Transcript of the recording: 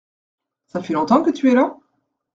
Ça fait longtemps que tu es là ?